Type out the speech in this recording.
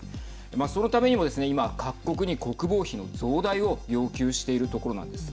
そのためにもですね、今各国に国防費の増大を要求しているところなんです。